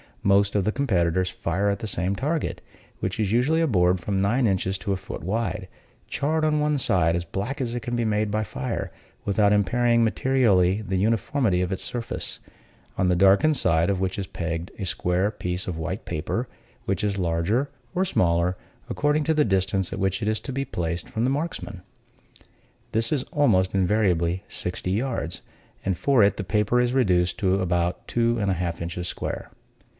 Most of the competitors fire at the same target; which is usually a board from nine inches to a foot wide, charred on one side as black as it can be made by fire, without impairing materially the uniformity of its surface; on the darkened side of which is pegged a square piece of white paper, which is larger or smaller, according to the distance at which it is to be placed from the marksmen. This is almost invariably sixty yards, and for it the paper is reduced to about two and a half inches square.